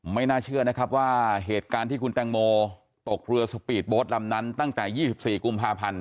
ไม่น่าเชื่อนะครับว่าเหตุการณ์ที่คุณแตงโมตกเรือสปีดโบสต์ลำนั้นตั้งแต่๒๔กุมภาพันธ์